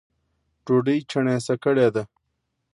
ډوډۍ چڼېسه کړې ده